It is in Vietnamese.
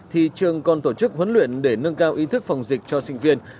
thì trường còn tổ chức huấn luyện để nâng cao ý thức phòng dịch cho sinh viên